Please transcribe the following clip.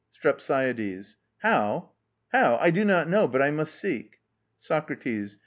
STREPSIADES. How? how? I don't know, I must think. SOCRATES.